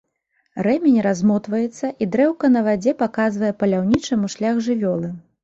Рэмень размотваецца, і дрэўка на вадзе паказвае паляўнічаму шлях жывёлы.